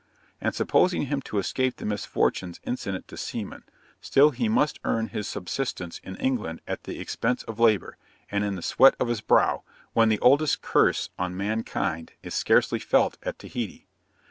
And supposing him to escape the misfortunes incident to seamen, still he must earn his subsistence in England at the expense of labour, and "in the sweat of his brow," when this oldest curse on mankind is scarcely felt at Taheité.